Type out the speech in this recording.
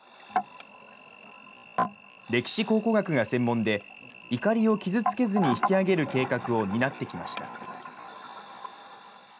歴史考古学が専門で、いかりを傷つけずに引き揚げる計画を担ってきました。